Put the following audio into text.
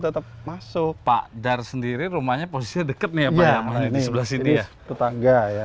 tetap masuk pak dar sendiri rumahnya posisinya deket nih ya pak ya maksudnya di sebelah sini ya tetangga ya